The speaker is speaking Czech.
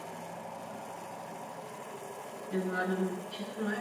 Je zařazen mezi státní a kulturní památky země.